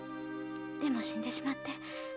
でも死んでしまって。